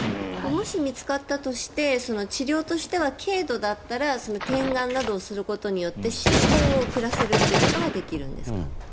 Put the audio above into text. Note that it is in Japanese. もし見つかったとして治療としては、軽度だったら点眼などをすることによって進行を遅らせることができるんですか？